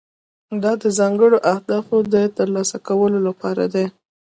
دا د ځانګړو اهدافو د ترلاسه کولو لپاره دی.